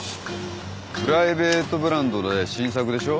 プライベートブランドで新作でしょ。